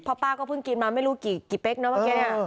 พ่อป้าก็เพิ่งกินมาไม่รู้กี่เป๊กเนอะเมื่อกี้